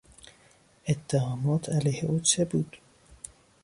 اتهامات علیه او چه بود؟